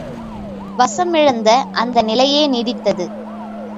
வசமிழந்த அந்த நிலையே நீடித்தது.